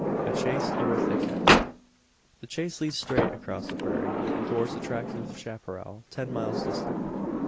A CHASE THROUGH A THICKET. The chase leads straight across the prairie towards the tract of chapparal, ten miles distant.